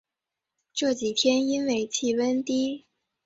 这几天因为气温低